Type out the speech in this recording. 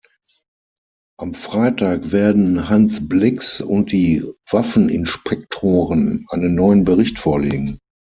Am Freitag werden Hans Blix und die Waffeninspektoren einen neuen Bericht vorlegen.